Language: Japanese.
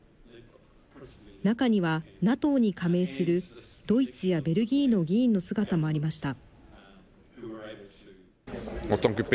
中にはＮＡＴＯに加盟する、ドイツやベルギーの議員の姿もありました。